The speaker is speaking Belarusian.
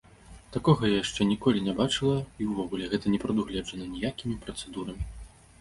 Такога я яшчэ ніколі не бачыла, і ўвогуле гэта не прадугледжана ніякімі працэдурамі.